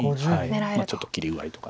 ちょっと切り具合とか。